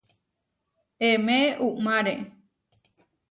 Emé uʼmáre.